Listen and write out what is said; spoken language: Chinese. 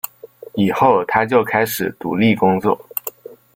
以后他就开始独立工作。